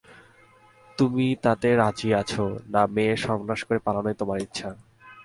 তুমি তাতে রাজি আছ, না মেয়ের সর্বনাশ করে পালানোই তোমার ইচ্ছা?